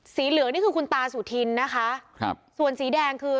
เหลืองนี่คือคุณตาสุธินนะคะครับส่วนสีแดงคือ